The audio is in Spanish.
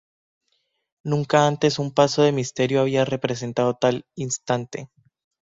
Nunca antes un paso de misterio había representado tal instante.